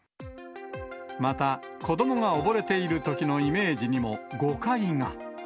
また、子どもが溺れているときのイメージにも誤解が。